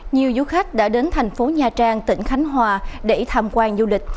nhiều du khách đã đến thành phố nha trang tỉnh khánh hòa để tham quan du lịch